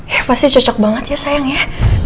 ya pasti cocok banget ya sayang ya